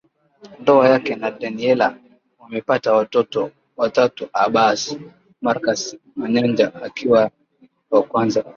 ndoa yake na Daniella wamepata watoto watatu Abba Marcas Mayanja akiwa wa kwanza